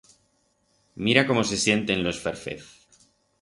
Mira como se sienten los ferfez.